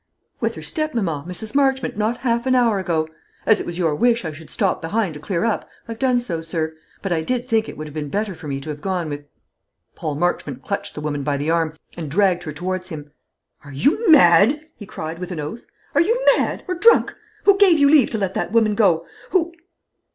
"With her stepmamma, Mrs. Marchmont not half an hour ago. As it was your wish I should stop behind to clear up, I've done so, sir; but I did think it would have been better for me to have gone with " Paul clutched the woman by the arm, and dragged her towards him. "Are you mad?" he cried, with an oath. "Are you mad, or drunk? Who gave you leave to let that woman go? Who